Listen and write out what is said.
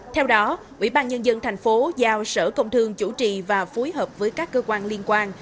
theo đó ủy ban nhân dân thành phố giao sở công thương chủ trì và phối hợp với các cơ quan liên quan